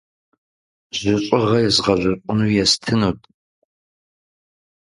Жьыщӏыгъэ езгъэжьыщӏыну естынут.